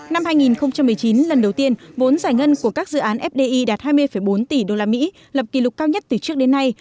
năm hai nghìn một mươi chín lần đầu tiên vốn giải ngân của các dự án fdi đạt hai mươi bốn tỷ usd lập kỷ lục cao nhất từ trước đến nay